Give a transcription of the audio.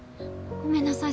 ごめんなさい。